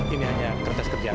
ini hanya kertas kerjaan